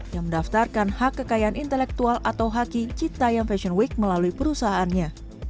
yang mendaftarkan hak kekayaan intelektual atau haki citayam fashion week melalui perusahaannya